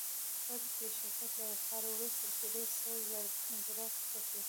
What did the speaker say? فرض کړئ شرکت له یوه کال وروسته درې سوه زره ګټي